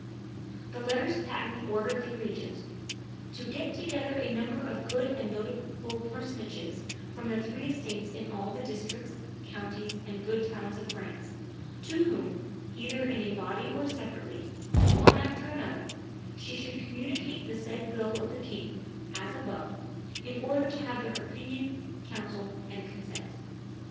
The letters patent ordered the regent "to get together a number of good and notable personages from the three estates in all the districts, countries, and good towns of France, to whom, either in a body or separately, one after another, she should communicate the said will of the king, as above, in order to have their opinion, counsel, and consent."